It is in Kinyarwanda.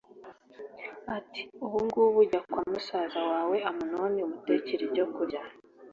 ati “Ubu ngubu jya kwa musaza wawe Amunoni, umutekere ibyokurya.”